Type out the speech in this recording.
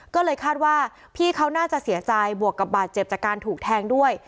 ก็เลยคาดว่าพี่เขาน่าจะเสียใจบวกกับบาดเจ็บจากการถูกแทงด้วย